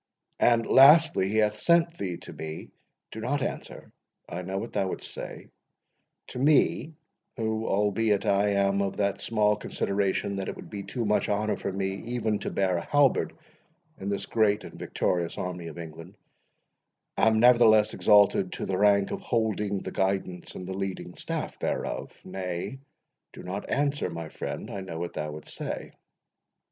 And lastly, he hath sent thee to me—Do not answer—I know what thou wouldst say,—to me, who, albeit, I am of that small consideration, that it would be too much honour for me even to bear a halberd in this great and victorious army of England, am nevertheless exalted to the rank of holding the guidance and the leading staff thereof.—Nay, do not answer, my friend—I know what thou wouldst say.